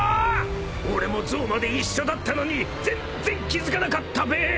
［俺もゾウまで一緒だったのに全然気付かなかったべ］